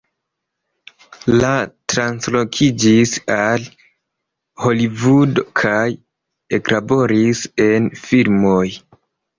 Li translokiĝis al Holivudo kaj eklaboris en filmoj.